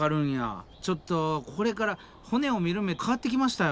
ちょっとこれから骨を見る目変わってきましたよ